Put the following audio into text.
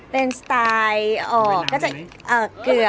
ไม่น้ำเหรอ